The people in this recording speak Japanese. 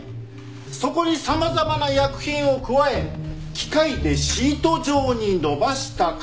そこに様々な薬品を加え機械でシート状に伸ばした紙を西洋の紙。